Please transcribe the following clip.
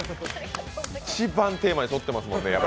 一番テーマにそってますからね。